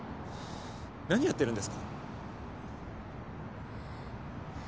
何やってるんですか？